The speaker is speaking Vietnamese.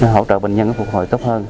hỗ trợ bệnh nhân phục hồi tốt hơn